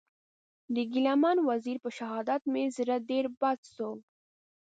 د ګیله من وزېر په شهادت مې زړه ډېر بد سو.